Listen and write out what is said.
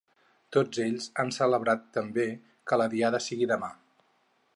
Tots ells han celebrat, també, que la diada sigui demà.